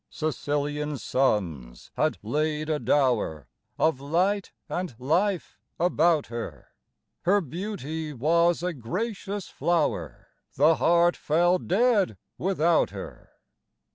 Sicilian suns had laid a dower of light and life about her: Her beauty was a gracious flower the heart fell dead without her.